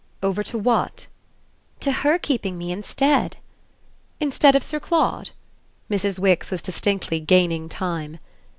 "Over to what?" "To HER keeping me instead." "Instead of Sir Claude?" Mrs. Wix was distinctly gaining time.